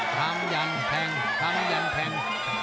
ทำอย่างแทงทำอย่างแทง